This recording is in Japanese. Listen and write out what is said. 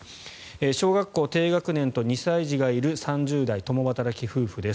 小学校低学年と２歳児がいる３０代、共働き夫婦です。